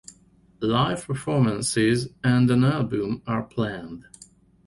Live performances and an album are planned.